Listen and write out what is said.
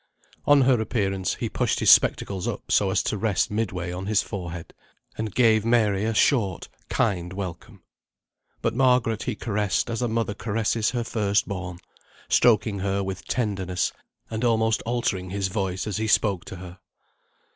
On her appearance he pushed his spectacles up so as to rest midway on his forehead, and gave Mary a short, kind welcome. But Margaret he caressed as a mother caresses her first born; stroking her with tenderness, and almost altering his voice as he spoke to her.